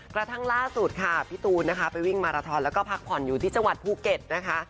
กระทั่งล่าสุดค่ะพี่ตูนนะคะไปวิ่งมาราทอนแล้วก็พักผ่อนอยู่ที่จังหวัดภูเก็ตนะคะ